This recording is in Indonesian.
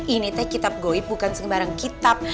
ini teh kitab goib bukan sembarang kitab